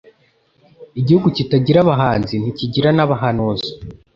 Igihugu kitagira Abahanzi ,ntikigira n’Abahanuzi